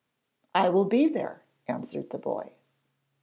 'I will be there,' answered the boy.